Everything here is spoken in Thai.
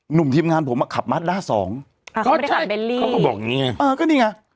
หนุ่มทีมงานผมอะขับมัสด้า๒เขาก็บอกอย่างนี้ไง